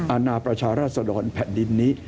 อาณาประชาราชดรแผ่นดินนี้